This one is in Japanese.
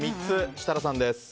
設楽さんです。